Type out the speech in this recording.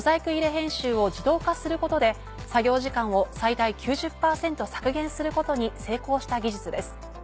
編集を自動化することで作業時間を最大９０％削減することに成功した技術です。